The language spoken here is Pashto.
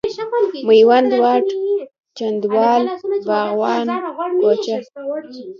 میوند واټ، چنداول، باغبان کوچه،